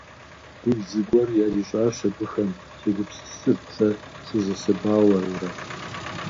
«Дул зыгуэр ярищӀащ абыхэм», – сегупсысырт сэ сызэсэбауэурэ.